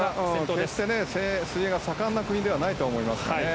決して水泳が盛んな国ではないと思います。